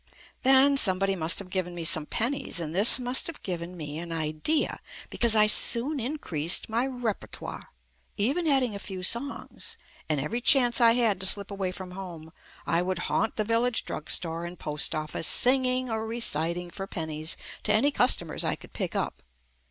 Then somebody must have given me some pennies and this must have given me an idea, because I soon increased my repertoire, even adding a few songs, and every chance I had to slip away from home I would haunt the village drugstore and post office singing or reciting for pennies to any customers I could pick up.